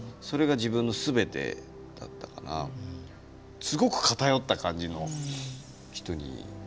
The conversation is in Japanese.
それが自分のすべてだったからすごく偏った感じの人に。